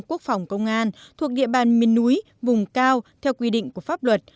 quốc phòng công an thuộc địa bàn miền núi vùng cao theo quy định của pháp luật